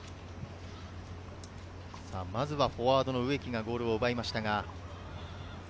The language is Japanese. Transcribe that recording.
まずはフォワード・植木がゴールを奪いました。